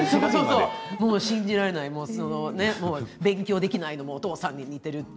信じられない。勉強できないのもお父さんに似ているって。